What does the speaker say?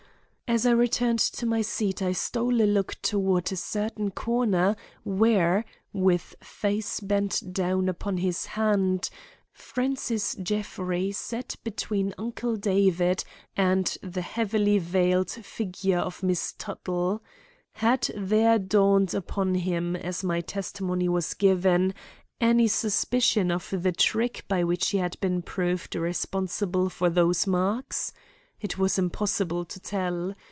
As I returned to my seat I stole a look toward a certain corner where, with face bent down upon his hand, Francis Jeffrey sat between Uncle David and the heavily veiled figure of Miss Tuttle. Had there dawned upon him as my testimony was given any suspicion of the trick by which he had been proved responsible for those marks? It was impossible to tell.